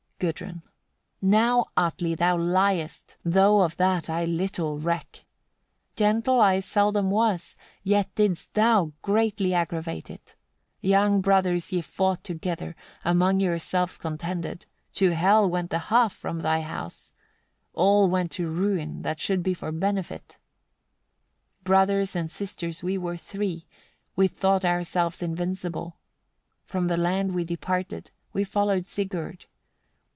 Gudrun. 96. Now, Atli! thou liest, though of that I little reck. Gentle I seldom was, yet didst thou greatly aggravate it. Young brothers ye fought together, among yourselves contended; to Hel went the half from thy house: all went to ruin that should be for benefit. 97. Brothers and sisters we were three, we thought ourselves invincible: from the land we departed, we followed Sigurd.